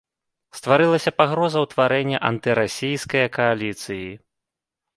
Стварылася пагроза ўтварэння антырасійская кааліцыі.